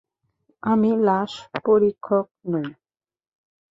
আমি লাশ পরীক্ষক নই।